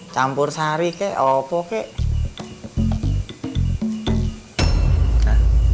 campur sehari kek apa kek